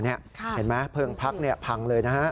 เห็นไหมเพลิงพักพังเลยนะฮะ